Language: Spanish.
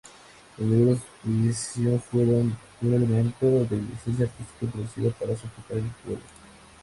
Los Libros Prisión fueron un elemento de licencia artística, introducida para simplificar el juego.